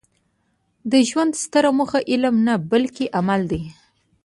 د ژوند ستره موخه علم نه؛ بلکي عمل دئ.